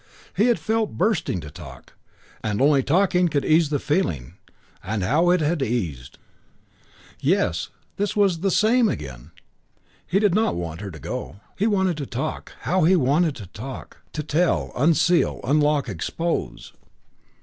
He had felt bursting to talk; and only talking could ease the feeling; and how it had eased! Yes, this was the same again. He did not want her to go. He wanted to talk how he wanted to talk! to tell, unseal, unlock, expose.